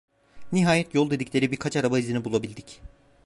Nihayet yol dedikleri birkaç araba izini bulabildik.